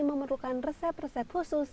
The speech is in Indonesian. memerlukan resep resep khusus